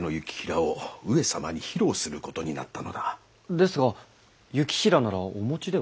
ですが行平ならお持ちでは？